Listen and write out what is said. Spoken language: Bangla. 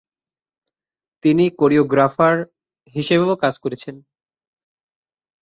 তিনি কোরিওগ্রাফার হিসেবেও কাজ করেছেন।